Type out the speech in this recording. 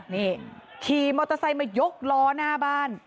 นี่ขี่มอเตอร์ไซค์มายกล้อหน้าบ้าน